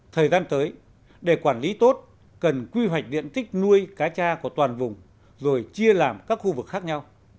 thời gian tới để quản lý tốt cần quy hoạch điện tích nuôi cá cha của toàn vùng rồi chia làm các khu vực khác nhau